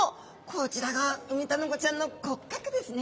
こちらがウミタナゴちゃんの骨格ですね。